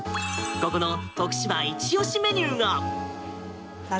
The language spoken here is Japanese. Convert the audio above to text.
ここの徳島イチ押しメニューが。